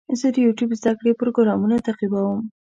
زه د یوټیوب زده کړې پروګرامونه تعقیبوم.